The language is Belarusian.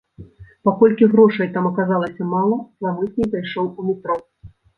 Паколькі грошай там аказалася мала, зламыснік зайшоў у метро.